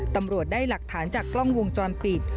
ตำรวจได้หลักฐานจากกล้องวงจรปิด